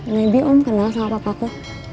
nabi om kenal sama papaku